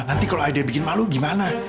nanti kalau aide bikin malu gimana